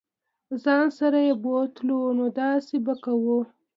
ځان سره یې بوتلو نو داسې به کوو.